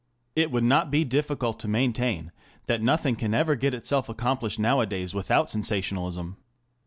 It would not be difficult to maintain that nothing can ever get itself accomplished nowadays without sensationalism.